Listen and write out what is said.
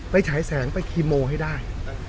ฉายแสงไปคีโมให้ได้